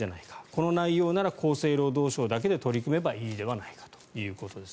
この内容なら厚生労働省だけで取り組めばいいではないかということです。